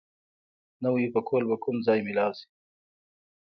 نوی پکول به کوم ځای مېلاو شي؟